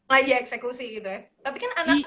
lagi eksekusi gitu ya tapi kan anak